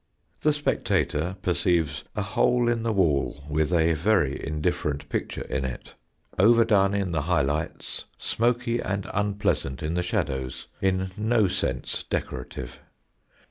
The spectator perceives a hole in the wall with a very indifferent picture in it overdone in the high lights, smoky and unpleasant in the shadows, in no sense decorative.